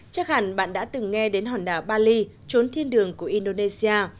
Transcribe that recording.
chắc hẳn bạn đã từng nghe đến hòn đảo bali trốn thiên đường của indonesia